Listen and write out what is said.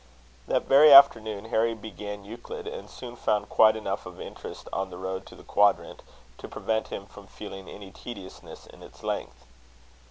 That very afternoon Harry began Euclid, and soon found quite enough of interest on the road to the quadrant, to prevent him from feeling any tediousness in its length.